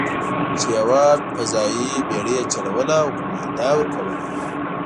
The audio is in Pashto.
چې یوه فضايي بېړۍ یې چلوله او قومانده یې ورکوله.